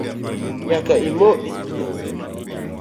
Nyaka imo echieng